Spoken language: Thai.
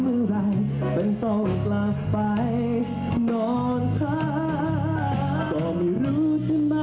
ชิ้นหัวใจล้อยไปจากที่ที่สบตา